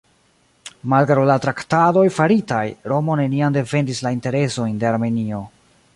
Malgraŭ la traktadoj faritaj, Romo neniam defendis la interesojn de Armenio.